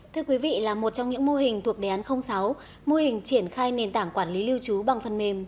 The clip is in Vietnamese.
thưa quý vị là một trong những mô hình thuộc đề án sáu mô hình triển khai nền tảng quản lý lưu trú bằng phần mềm